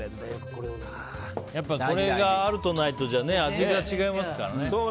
これがあるとないとじゃ味が違いますからね。